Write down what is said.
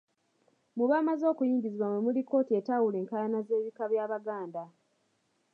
Mu bamaze okuyingizibwa mwe muli Kooti Etawulula Enkaayana z'Ebika By'Abaganda.